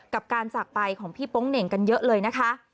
กับการจากไปของพี่โป๊งเหน่งกันเยอะเลยนะคะ